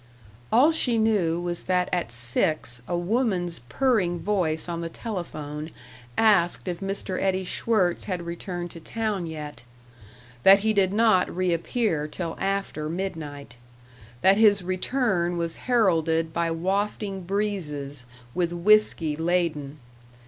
§ 2 All she knew was that at six a woman's purring voice on the telephone asked if Mr. Eddie Schwirtz had returned to town yet. That he did not reappear till after midnight. That his return was heralded by wafting breezes with whisky laden.